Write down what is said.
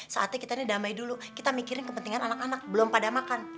saatnya kita ini damai dulu kita mikirin kepentingan anak anak belum pada makan